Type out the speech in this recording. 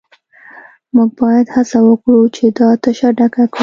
موږ باید هڅه وکړو چې دا تشه ډکه کړو